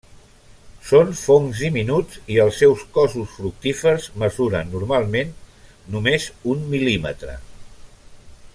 Són fongs diminuts i els seus cossos fructífers mesuren normalment només un mil·límetre.